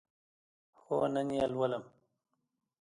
هو، نن یی لولم